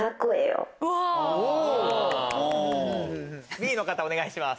Ｂの方お願いします。